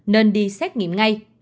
nên đi xét nghiệm ngay